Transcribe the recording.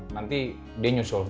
nanti dia nyusul